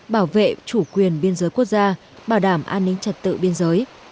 bảo vệ chủ quyền biên giới quốc gia bảo đảm an ninh trật tự biên giới